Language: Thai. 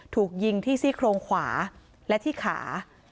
ถูกยิงที่ซี่โครงขวาและที่ขา